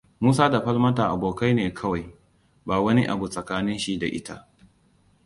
Musa da Falmata abokai ne kawai. Ba wani abu tsakanin shi da ita.